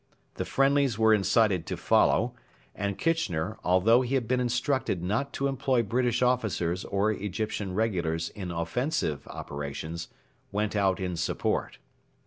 The 'friendlies' were incited to follow, and Kitchener, although he had been instructed not to employ British officers or Egyptian regulars in offensive operations, went out in support.